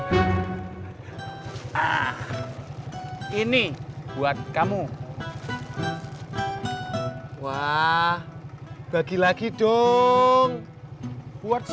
mereka ditary garantis yang tak ngebokan